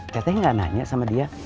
teteh gak nanya sama dia